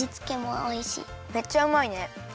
めっちゃうまいね。